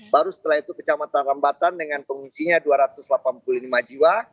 baru setelah itu kecamatan rambatan dengan pengungsinya dua ratus delapan puluh lima jiwa